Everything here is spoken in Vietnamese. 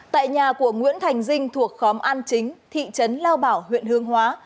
tại nhà của nguyễn thành dinh thuộc khóm an chính thị trấn lao bảo huyện hương hóa